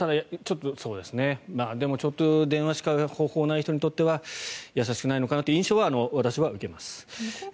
でも電話しか方法がない人にとっては優しくないのかなという印象を私は受けます。